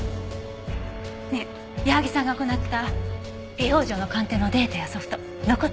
ねえ矢萩さんが行った微表情の鑑定のデータやソフト残ってるわよね？